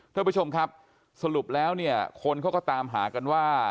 ท่านผู้ชมครับสรุปแล้วเนี่ยคนเขาก็ตามหากันว่า